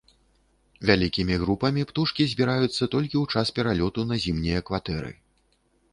Вялікімі групамі птушкі збіраюцца толькі ў час пералёту на зімнія кватэры.